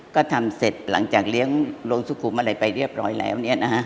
ก็ทำเสร็จหลังจากเลี้ยงหลวงสุขุมอะไรไปเรียบร้อยแล้ว